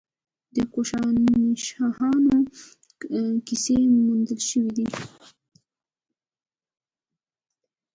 د کوشانشاهانو سکې موندل شوي دي